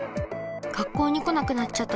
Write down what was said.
学校に来なくなっちゃった